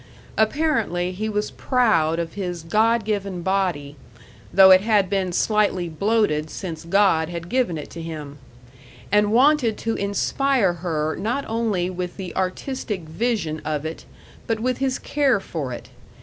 Apparently he was proud of his God given body though it had been slightly bloated since God had given it to him and wanted to inspire her not only with the artistic vision of it, but with his care for it....